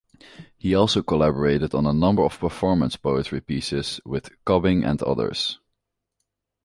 He also collaborated on a number of performance poetry pieces with Cobbing and others.